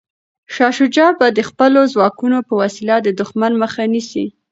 شاه شجاع به د خپلو ځواکونو په وسیله د دښمن مخه نیسي.